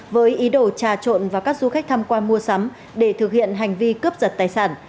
với ý đồ trà trộn và các du khách tham quan mua sắm để thực hiện hành vi cướp giật tài sản